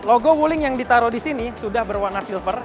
logo wuling yang ditaruh di sini sudah berwarna silver